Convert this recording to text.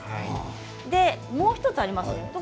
もう１つあります。